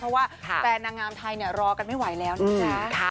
เพราะว่าแฟนนางงามไทยเนี่ยรอกันไม่ไหวแล้วเนี่ย